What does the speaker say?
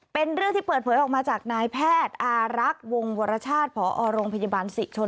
เป็นเรื่องที่เปิดเผยออกมาจากนายแพทย์อารักษ์วงวรชาติผอโรงพยาบาลศรีชน